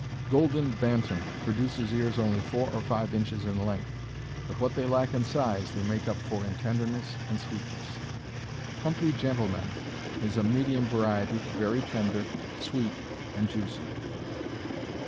Golden Bantam produces ears only four or five inches in length, but what they lack in size they make up for in tenderness and sweetness. Country Gentleman is a medium variety, very tender, sweet, and juicy.